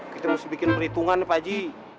kita mesti bikin perhitungan ya pak ji